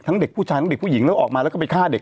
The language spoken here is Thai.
เด็กผู้ชายทั้งเด็กผู้หญิงแล้วออกมาแล้วก็ไปฆ่าเด็ก